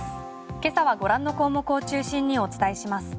今朝はご覧の項目を中心にお伝えします。